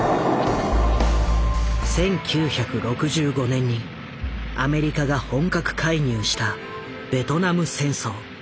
１９６５年にアメリカが本格介入したベトナム戦争。